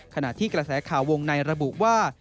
ขณะที่กระแสข่าววงในระบุว่า